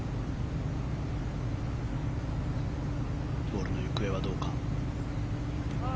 ボールの行方はどうか。